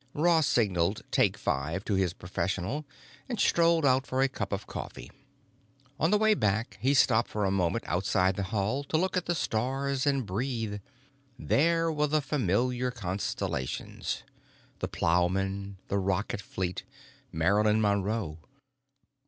Ross signaled "take five" to his professional and strolled out for a cup of coffee. On the way back he stopped for a moment outside the hall to look at the stars and breathe. There were the familiar constellations—The Plowman, the Rocket Fleet, Marilyn Monroe.